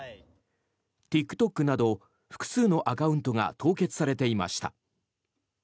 ＴｉｋＴｏｋなど複数のアカウントが凍結されていました。